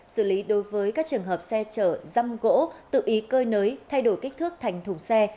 xử lý đối với các trường hợp xe chở răm gỗ tự ý cơi nới thay đổi kích thước thành thùng xe